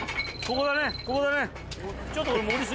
ここだね。